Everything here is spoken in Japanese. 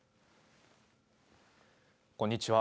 こんにちは。